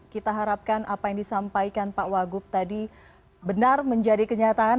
kita harapkan apa yang disampaikan pak wagub tadi benar menjadi kenyataan